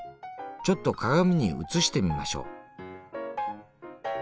ちょっと鏡に映してみましょう。